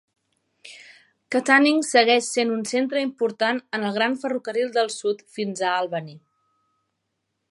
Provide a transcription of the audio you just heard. Katanning segueix sent un centre important en el Gran Ferrocarril del Sud fins a Albany.